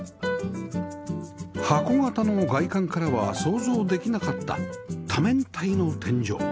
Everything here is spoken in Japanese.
箱形の外観からは想像できなかった多面体の天井